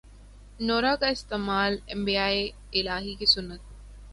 نورہ کا استعمال انبیائے الہی کی سنت